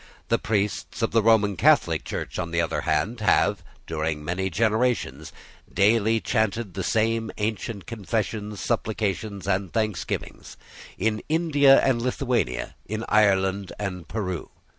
The priests of the Roman Catholic Church, on the other hand, have, during many generations, daily chanted the same ancient confessions, supplications, and thanksgivings, in India and Lithuania, in Ireland and Peru.